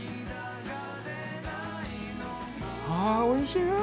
おいしい！